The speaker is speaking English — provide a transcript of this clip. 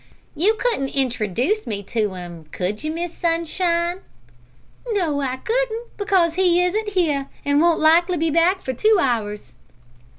"You couldn't introdooce me to him, could you, Miss Sunshine?" "No, I couldn't, because he isn't here, and won't likely be back for two hours."